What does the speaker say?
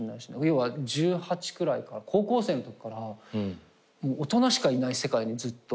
要は１８くらいから高校生のときから大人しかいない世界にずっといて。